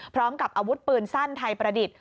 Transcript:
พร้อมกับอาวุธปืนสั้นไทยประดิษฐ์